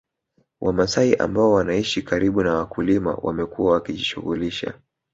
Wamasai ambao wanaishi karibu na wakulima wamekuwa wakijishughulisha